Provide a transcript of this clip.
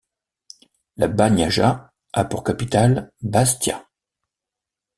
La Bagnaja a pour capitale Bastia.